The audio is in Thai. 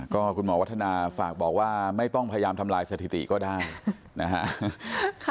ก็คุณหมอวัฒนาฝากบอกว่าไม่ต้องพยายามทำลายสถิติก็ได้นะฮะ